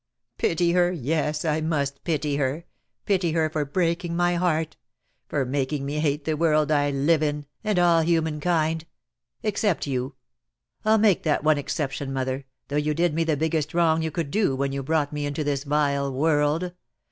"Pity her, yes, I must pity her, pity her for breaking my heart, for making me hate the world I live in — and all human kind — except you. I'll make that one exception, mother, though you did me the biggest wrong you could do when you brought me into this vile world.